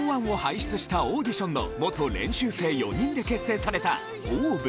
ＪＯ１を輩出したオーディションの元練習生４人で結成されたＯＷＶ。